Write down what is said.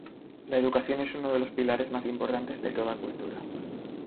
La educación es uno de los pilares más importantes de toda Cultura.